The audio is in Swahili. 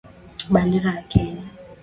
Bendera ya Kenya.